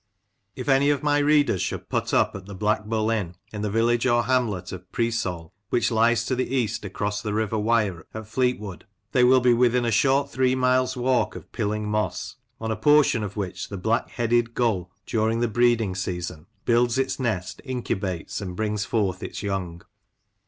rany of my readers should "put up" at the Black Bull Inn, in the village or hamlet of Preesall, which lies to the east across the River Wyre, at Fleetwood, they will be within a short three miles' walk of Pilling Moss, on a portion of which the black headed gull, during the breeding season, builds its nest, incubates, and brings forth its young.